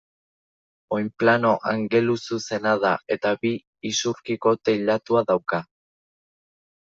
Oinplano angeluzuzena da eta bi isurkiko teilatua dauka.